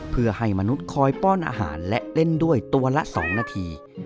เพื่อให้มนุษย์คอยป้อนอาหารและเล่นด้วยตัวละ๒นาที